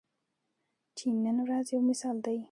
چین نن ورځ یو مثال دی.